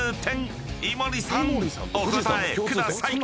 お答えください］